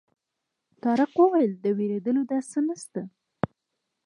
طارق وویل د وېرېدلو داسې څه نه شته.